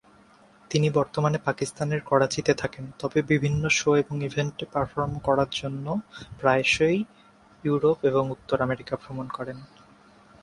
তিনি বর্তমানে পাকিস্তানের করাচিতে থাকেন তবে বিভিন্ন শো এবং ইভেন্টে পারফর্ম করার জন্য প্রায়শই ইউরোপ এবং উত্তর আমেরিকা ভ্রমণ করেন।